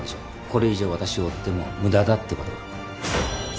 「これ以上私を追っても無駄だってことが」